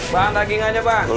bang dagingnya aja bang